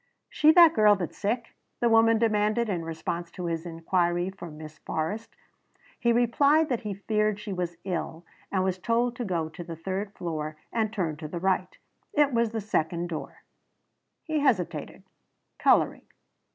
"She the girl that's sick?" the woman demanded in response to his inquiry for Miss Forrest. He replied that he feared she was ill and was told to go to the third floor and turn to the right. It was the second door. He hesitated, coloring.